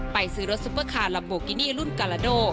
ไปซื้อรถซุปเปอร์คาร์ลัมโบกินี่รุ่นกาลาโด